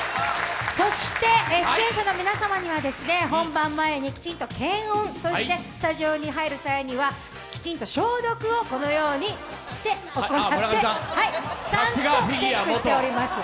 出演者の皆さんには本番前にきちんと検温そしてスタジオに入る際にはきちんと消毒をこのようにしてちゃんとチェックしております。